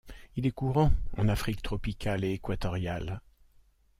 Il est courant en Afrique tropicale et équatoriale.